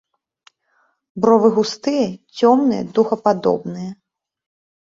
Бровы густыя, цёмныя, дугападобныя.